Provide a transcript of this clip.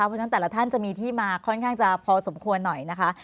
เพราะฉะนั้นแต่ละท่านจะมีที่มาค่อนข้างจะพอสมควรหน่อยนะคะ